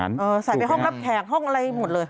ใส่ไปห้องรับแขกห้องอะไรหมดเลย